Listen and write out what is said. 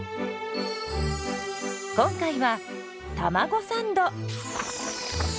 今回はたまごサンド。